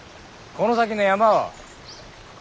この先の山は。